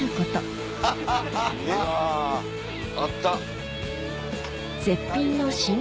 あった。